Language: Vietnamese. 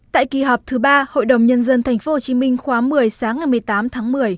tại kỳ họp thứ ba hội đồng nhân dân tp hcm khóa một mươi sáng ngày một mươi tám tháng một mươi